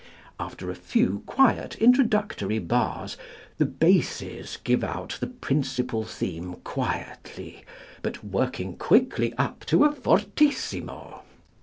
After a few quiet introductory bars the basses give out the principal theme quietly, but working quickly up to a fortissimo.